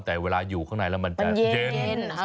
แต่เวลาอยู่ข้างในแล้วมันจะเย็น